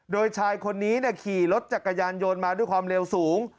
โดยชายคนนี้ขี่รถจักรยานยนต์มาด้วยความเร็วสูง